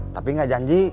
tapi nggak janji